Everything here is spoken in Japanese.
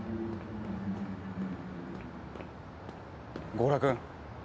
強羅君。